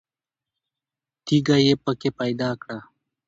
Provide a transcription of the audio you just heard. تیږه یې په کې پیدا کړه.